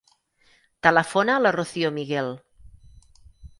Telefona a la Rocío Miguel.